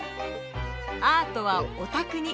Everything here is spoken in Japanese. アートはお宅に！